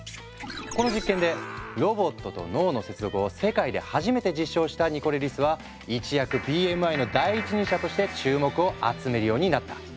この実験でロボットと脳の接続を世界で初めて実証したニコレリスは一躍ＢＭＩの第一人者として注目を集めるようになった。